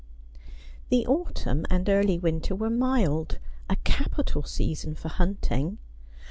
The autumn and early winter were mild — a capital season for hunting.